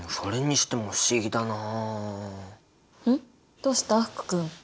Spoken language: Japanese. どうした福君？